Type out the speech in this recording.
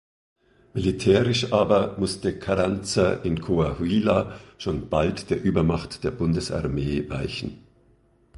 Militärisch aber musste Carranza in Coahuila schon bald der Übermacht der Bundesarmee weichen.